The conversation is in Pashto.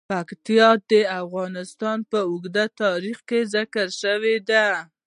پکتیکا د افغانستان په اوږده تاریخ کې ذکر شوی دی.